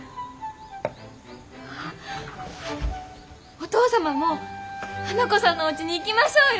お父様も花子さんのおうちに行きましょうよ！